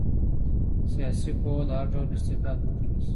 سياسي پوهه د هر ډول استبداد مخه نيسي.